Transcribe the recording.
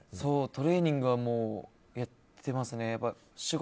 トレーニングはやっていますね。